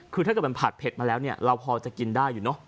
คือถ้าเกิดผัดเผ็ดมาแล้วพอจะกินได้อยู่เนาะ